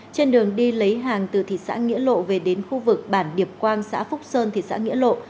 trên đường đi lấy hàng từ thị xã nghĩa lộ về đến khu vực bản điệp quang xã phúc sơn thị xã nghĩa lộ